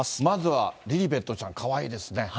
まずはリリベットちゃん、かわいいですね。